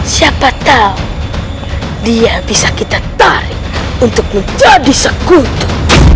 siapa tahu dia bisa kita tarik untuk menjadi sekutu